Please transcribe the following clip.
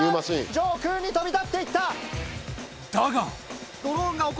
上空に飛び立って行った！